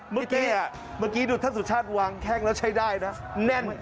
พี่เต้ล่ะเมื่อกี้ดูท่านสุชาติวางแค่งแล้วใช้ได้นะแน่น